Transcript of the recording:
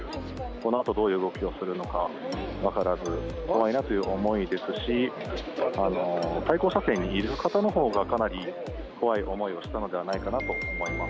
このあとどういう動きをするのか分からず怖いなという思いですし、対向車線にいる方のほうが、かなり怖い思いをしたのではないかなと思います。